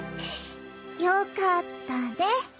よかったね。